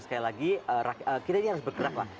sekali lagi kita harus bergerak